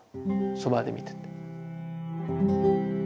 そばで見てて。